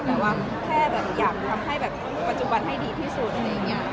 แต่ว่าแค่แบบอยากทำให้แบบปัจจุบันให้ดีที่สุด